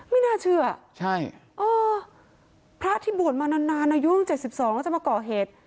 ไม่น่าเชื่ออ๋อพระที่บวชมานานอายุ๗๒แล้วจะมาเกาะเหตุ